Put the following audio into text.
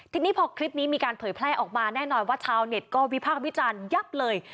ทีนี้พอคลิปนี้มีการเผยแพร่ออกมาแน่นอนว่าชาวเน็ตก็วิพากษ์วิจารณ์ยับเลย